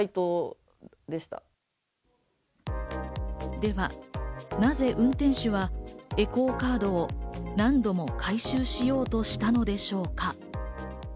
ではなぜ運転手はエコーカードを何度も回収しようとしたのでしょうか？